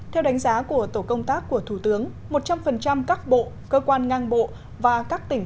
theo đánh giá của tổ công tác của thủ tướng một trăm linh các bộ cơ quan ngang bộ và các tỉnh